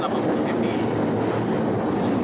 berukuran delapan puluh cm